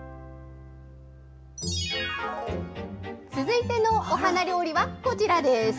続いてのお花料理は、こちらです。